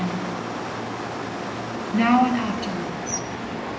NOW AND AFTERWARDS.